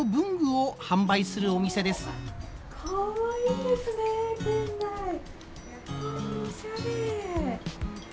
かわいいですね店内。わおしゃれ。